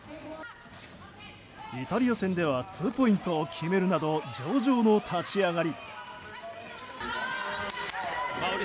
イタリア戦ではツーポイントを決めるなど上々の立ち上がり。